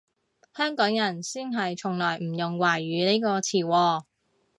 香港人先係從來唔用華語呢個詞喎